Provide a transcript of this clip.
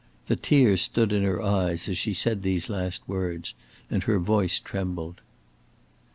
The tears stood in her eyes as she said these last words, and her voice trembled.